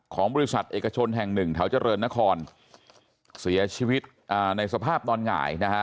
ของบริษัทเอกชนแห่งหนึ่งแถวเจริญนครเสียชีวิตในสภาพนอนหงายนะฮะ